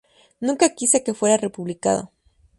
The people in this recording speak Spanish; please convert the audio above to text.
Nunca quise que fuera republicado.